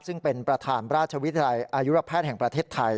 ซึ่งเป็นประธานราชวิทยาลัยอายุระแพทย์แห่งประเทศไทย